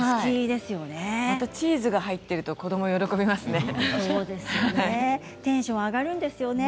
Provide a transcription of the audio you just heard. またチーズが入っていると子ども、喜びますね。